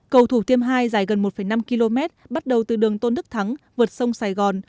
cầu thủ tiêm hai dài gần một năm km bắt đầu từ đường tôn đức thắng vượt sông sài gòn